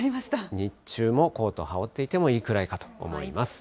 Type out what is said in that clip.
日中もコートを羽織っていてもいいくらいかと思います。